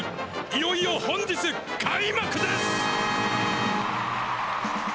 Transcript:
いよいよ本日開幕です！